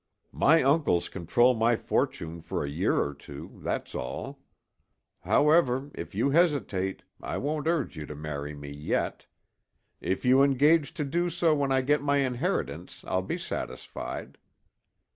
"My uncles control my fortune for a year or two; that's all. However, if you hesitate, I won't urge you to marry me yet. If you engage to do so when I get my inheritance, I'll be satisfied."